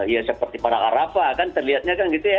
ya seperti pada arafah kan terlihatnya kan gitu ya